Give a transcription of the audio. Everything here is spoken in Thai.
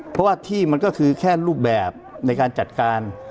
เพราะว่าที่มันก็คือแค่รูปแบบในการจัดการ